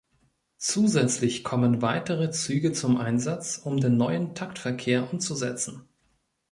Zusätzlich kommen weitere Züge zum Einsatz, um den neuen Taktverkehr umzusetzen.